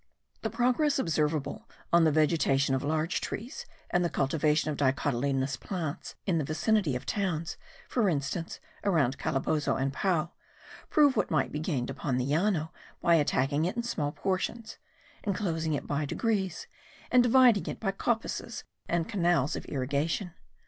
The progress observable on the vegetation of large trees and the cultivation of dicotyledonous plants in the vicinity of towns, (for instance around Calabozo and Pao) prove what may be gained upon the Llano by attacking it in small portions, enclosing it by degrees, and dividing it by coppices and canals of irrigation.